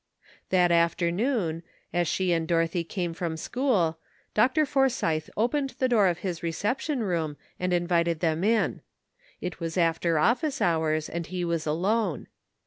That afternoon, as she and Dorothy came from school, Dr. Forsythe opened the door of his reception room and invited them in. It was after office hours, and he was alone.